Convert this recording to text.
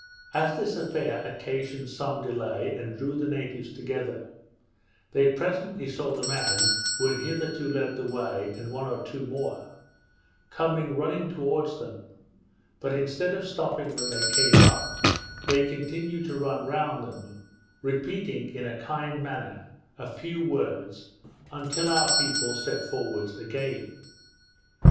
As this affair occasioned some delay, and drew the natives together, they presently saw the man who had hitherto led the way and one or two more, coming running towards them; but instead of stopping when they came up, they continued to run round them, repeating, in a kind manner, a few words, until our people set forwards again.